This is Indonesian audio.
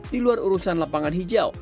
di luar urusan lapangan hijau